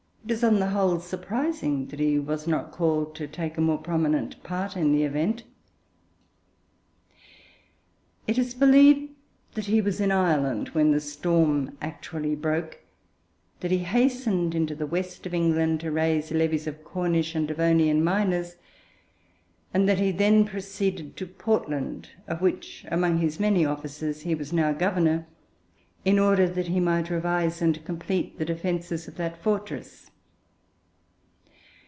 It is on the whole surprising that he was not called to take a more prominent part in the event. It is believed that he was in Ireland when the storm actually broke, that he hastened into the West of England, to raise levies of Cornish and Devonian miners, and that he then proceeded to Portland, of which, among his many offices, he was now governor, in order that he might revise and complete the defences of that fortress.